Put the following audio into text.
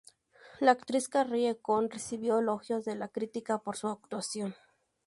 La actriz Carrie Coon recibió elogios de la crítica por su actuación.